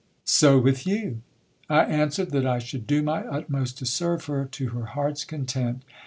105 so with you. I answered that I should do my utmost to serve her to her heart's content.